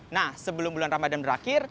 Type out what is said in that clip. nah sebelum bulan ramadhan berakhir